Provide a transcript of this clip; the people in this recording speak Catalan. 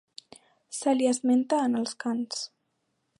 Se li esmenta en els cants.